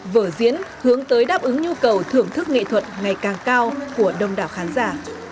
vở diễn hướng tới đáp ứng nhu cầu thưởng thức nghệ thuật ngày càng cao của đông đảo khán giả